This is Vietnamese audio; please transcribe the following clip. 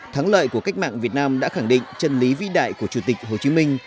thắng lợi của cách mạng việt nam đã khẳng định chân lý vĩ đại của chủ tịch hồ chí minh